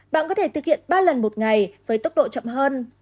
bạn có thể thực hiện ba lần một ngày với tốc độ chậm hơn